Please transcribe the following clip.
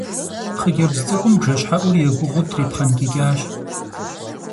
Хъыджэбз цӀыкӀум бжэщхьэӀур егугъуу трипхъэнкӀыкӀащ.